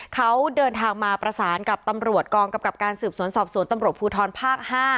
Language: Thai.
เขาเดินทางมาประสานกับตำรวจกองกำกับการสืบสวนสอบสวนตำรวจภูทรภาค๕